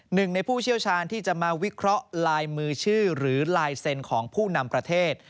หนึ่งในผู้เชี่ยวชาญที่จะมาวิเคราะห์ลายมือชื่อหรือลายเซ็นต์ของผู้นำประเทศ